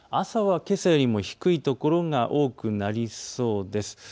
朝はけさよりも低いところが多くなりそうです。